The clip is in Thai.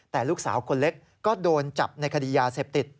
แต่ลูกสาวคนเล็กก็โดนจับในคดียาเสพติด